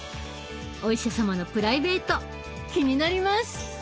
お医者様のプライベート気になります。